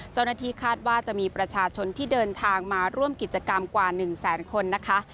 เจ้าหน้าที่คาดว่าจะมีประชาชนที่เดินทางมาร่วมกิจกรรมกว่า๑แสนคนนะคะ